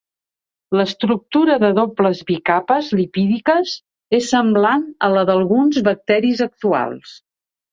L'estructura de dobles bicapes lipídiques és semblant a la d'alguns bacteris actuals.